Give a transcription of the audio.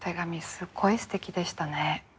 すっごいすてきでしたね。